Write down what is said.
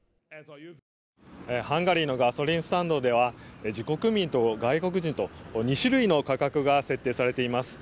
ハンガリーのガソリンスタンドでは自国民と外国人と２種類の価格が設定されています。